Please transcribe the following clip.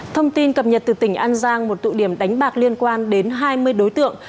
thông tin cập nhật từ tỉnh an giang một tụ điểm đánh bạc liên quan đến hai mươi đối tượng